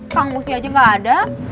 kang musnya aja gak ada